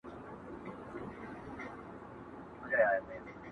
چي کار ژر پای ته ورسوي،